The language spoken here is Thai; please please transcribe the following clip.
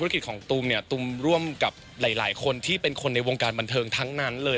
กิจของตูมเนี่ยตูมร่วมกับหลายคนที่เป็นคนในวงการบันเทิงทั้งนั้นเลย